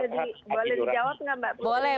boleh dijawab nggak mbak